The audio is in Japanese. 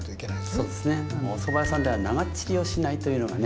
そうですねお蕎麦屋さんでは長っ尻をしないというのがね